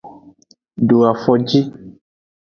Do afoji.